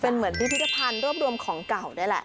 เป็นเหมือนพิพิธภัณฑ์รวบรวมของเก่านี่แหละ